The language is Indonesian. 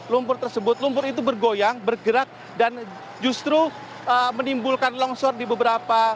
lumpur tersebut lumpur itu bergoyang bergerak dan justru menimbulkan longsor di beberapa